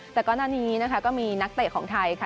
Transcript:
แต่ก่อนหน้านี้นะคะก็มีนักเตะของไทยค่ะ